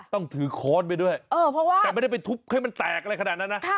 ต้องถือขถบท้าไปด้วยแต่ไม่ได้ไปทุบให้มันแตกอะไรขนาดนั้นนะ